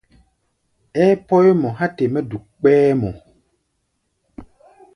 Ɛɛ pɔ́í mɔ há̧ te mɛ́ duk kpɛ́ɛ́ mɔ.